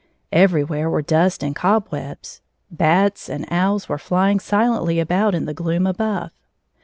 Everywhere were dust and cobwebs. Bats and owls were fljing silently about in the gloom above.